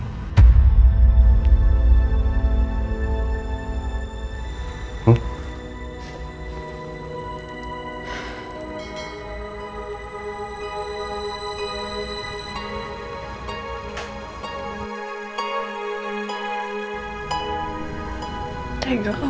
pembicaraanku dengan aldebaran